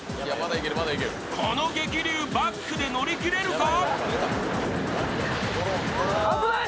この激流、バックで乗り切れるか？